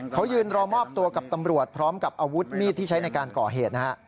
เขายืนรอมอบตัวกับตำรวจพร้อมกับอาวุธมีดที่ใช้ในการก่อเหตุนะฮะ